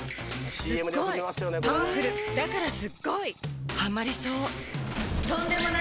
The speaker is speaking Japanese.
すっごいパワフルだからすっごいハマりそう